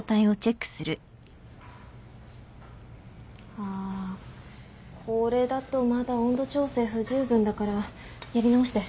あこれだとまだ温度調整不十分だからやり直して。